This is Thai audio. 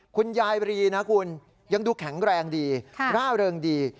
คุณยายบรีนะคุณยังดูแข็งแรงดีร่าเริงดี